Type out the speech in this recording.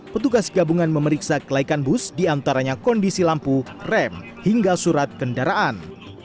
petugas gabungan memeriksa kelaikan bus diantaranya kondisi lampu rem hingga surat kendaraan